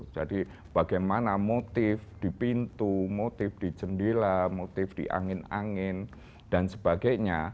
jadi bagaimana motif di pintu motif di jendela motif di angin angin dan sebagainya